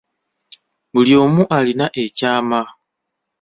Buli omu alina ekyama.